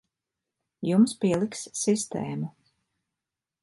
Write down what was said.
Jums pieliks sistēmu.